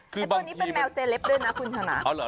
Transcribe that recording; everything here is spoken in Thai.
ตัวนี้เป็นแมวเซล็ปต์ด้วยนะคุณฉะนั้น